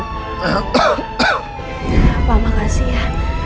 terima kasih ya